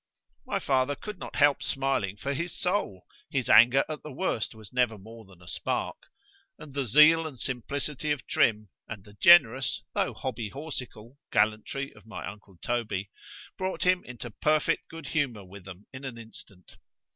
—— My father could not help smiling for his soul—his anger at the worst was never more than a spark;—and the zeal and simplicity of Trim—and the generous (though hobby horsical) gallantry of my uncle Toby, brought him into perfect good humour with them in an instant.